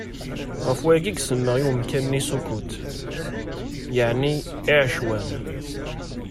Ɣef wayagi i yesemma i umkan-nni Sukut, yeɛni iɛecwan.